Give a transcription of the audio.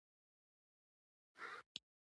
ترموز د وطن پر خټو یاد راوړي.